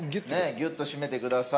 ギュッと締めてください。